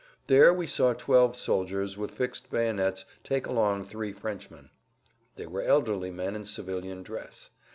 There we saw twelve soldiers with fixed bayonets take along three Frenchmen. They were elderly men in civilian dress.